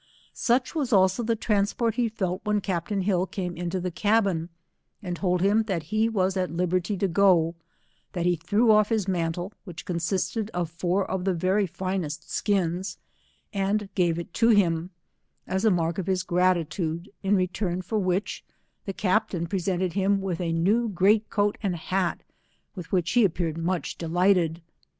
Such was also, the transport he felt when captain Hill came into the cabin, and told him that he was at liberty to go, that he threw off his mantle, which consisted of four of the very best skins, and gave it to him, as a mark of his gratitude, in return for which, the captain presented him with a new great 196 coat and hat, with which he appeared much delight ed.